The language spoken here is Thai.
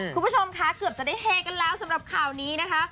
คุณผู้ชมคะเกือบจะได้เฮกันแล้วสำหรับข่าวนี้นะคะ